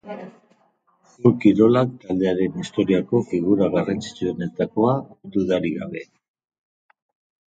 Ur-Kirolak taldearen historiako figura garrantzitsuenetakoa, dudarik gabe.